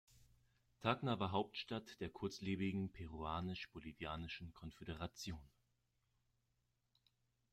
Tacna war Hauptstadt der kurzlebigen Peruanisch-Bolivianischen Konföderation.